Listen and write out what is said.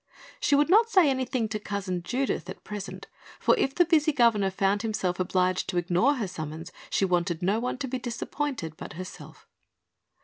She would not say anything to Cousin Judith, at present, for if the busy governor found himself obliged to ignore her summons she wanted no one to be disappointed but herself.